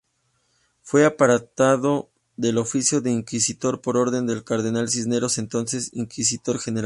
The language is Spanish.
Fue apartado del oficio de inquisidor por orden del cardenal Cisneros, entonces inquisidor general.